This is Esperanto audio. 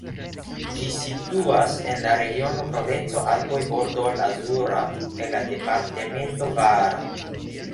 Ĝi situas en la regiono Provenco-Alpoj-Bordo Lazura kaj la departemento Var.